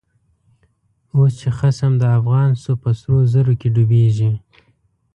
اوس چه خصم دافغان شو، په سرو زرو کی ډوبیږی